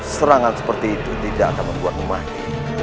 serangan seperti itu tidak akan membuatmu mati